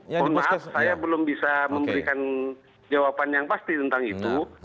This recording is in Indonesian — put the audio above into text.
jadi mohon maaf saya belum bisa memberikan jawaban yang pasti tentang itu